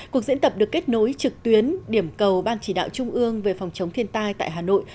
cuộc diễn tập được kết nối trực tuyến điểm cầu ban chỉ đạo trung ương về phòng chống thiên tai tại hà nội